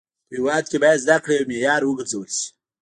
په هيواد کي باید زده کړه يو معيار و ګرځول سي.